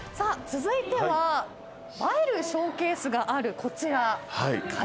続いては映えるショーケースがあるこちら。